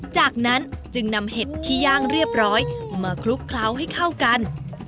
จากนั้นจึงนำเห็ดที่ย่างเรียบร้อยมาคลุกเคล้าให้เข้ากัน